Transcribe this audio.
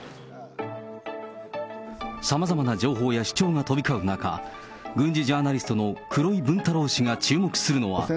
さまざまな情報や主張が飛び交う中、軍事ジャーナリストの黒井文太郎氏が注目するのは。